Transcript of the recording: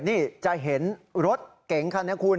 นี่จะเห็นรถเก๋งคันนี้คุณ